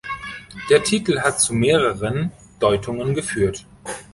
Der Titel hat zu mehreren Deutungen geführt.